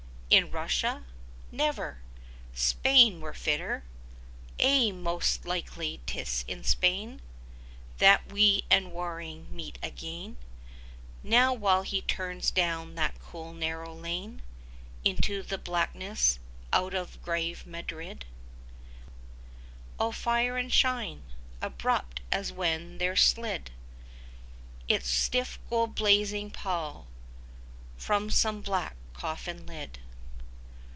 In Russia? Never! Spain were fitter! Ay, most likely 'tis in Spain That we and Waring meet again Now, while he turns down that cool narrow lane Into the blackness, out of grave Madrid 45 All fire and shine, abrupt as when there's slid Its stiff gold blazing pall From some black coffin lid.